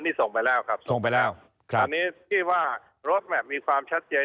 นี่ส่งไปแล้วครับส่งไปแล้วครับตอนนี้ที่ว่ารถมีความชัดเจน